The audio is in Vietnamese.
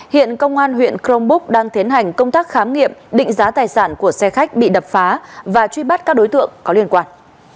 hiện công an huyện crong búc đang tiến hành công tác khám nghiệm định giá tài sản của xe khách bị đập phá và truy bắt các đối tượng có liên quan